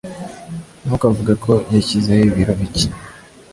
Ntukavuge ko yashyizeho ibiro bike